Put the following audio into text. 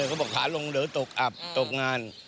เออเขาบอกขายลงเดี๋ยวตกอับตกงาน